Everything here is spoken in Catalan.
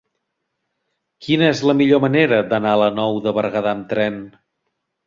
Quina és la millor manera d'anar a la Nou de Berguedà amb tren?